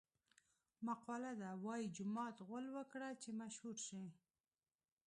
مقوله ده: وايي جومات غول وکړه چې مشهور شې.